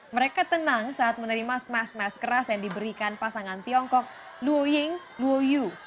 mereka tenang saat menerima smash smash keras yang diberikan pasangan tiongkok luo ying luo yu